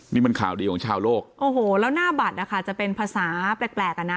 นี่มันข่าวดีของชาวโลกโอ้โหแล้วหน้าบัตรนะคะจะเป็นภาษาแปลกแปลกอ่ะนะ